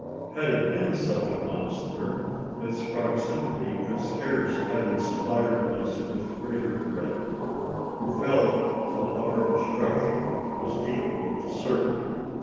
Had it been such a monster, its proximity could scarce have inspired us with a greater dread. We felt that our destruction was equally certain.